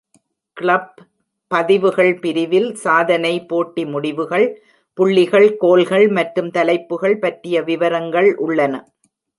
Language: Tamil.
கிளப் பதிவுகள் பிரிவில் சாதனை போட்டி முடிவுகள், புள்ளிகள், கோல்கள் மற்றும் தலைப்புகள் பற்றிய விவரங்கள் உள்ளன.